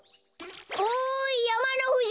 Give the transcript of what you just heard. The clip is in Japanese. おいやまのふじ！